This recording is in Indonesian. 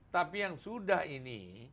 tapi yang sudah ini